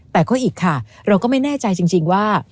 แต่ก็อีกค่ะเราก็ไม่แน่ใจจริงว่า